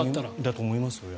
だと思いますよ。